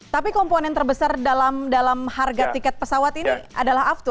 tapi komponen terbesar dalam harga tiket pesawat ini adalah aftur